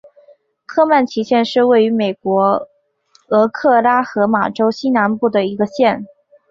科曼奇县是位于美国俄克拉何马州西南部的一个县。